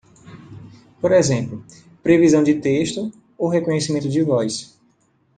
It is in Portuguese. Por exemplo, previsão de texto ou reconhecimento de voz.